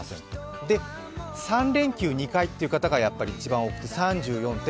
３連休２回という方が一番多くて３４．９％。